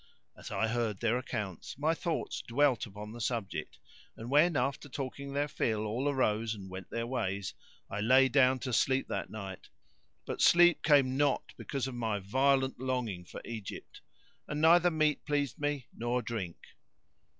As I heard their accounts, my thoughts dwelt upon the subject and when, after talking their fill, all arose and went their ways, I lay down to sleep that night, but sleep came not because of my violent longing for Egypt; and neither meat pleased me nor drink.